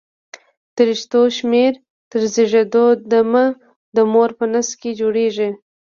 د رشتو شمېر تر زېږېدو د مه د مور په نس کې جوړېږي.